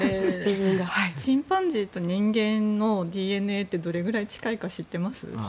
チンパンジーと人間のＤＮＡってどれくらい近いか知ってます？